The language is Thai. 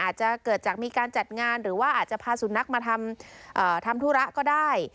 อาจจะเกิดจากมีการจัดงานหรือว่าอาจจะพาสุนัขมาทำธุระก็ได้